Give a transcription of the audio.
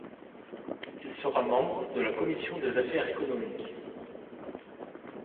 Il sera membre de la commission des affaires économiques.